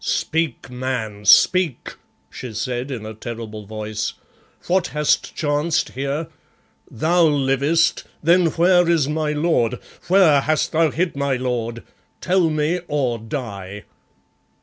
"Speak, man, speak," she said in a terrible voice. "What hast chanced here? Thou livest, then where is my lord? Where hast thou hid my lord? Tell me or die."